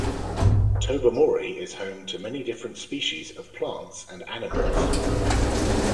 Tobermory is home to many different species of plants and animals.